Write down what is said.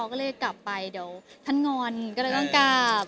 ก็เลยกลับไปเดี๋ยวท่านงอนก็เลยต้องกลับ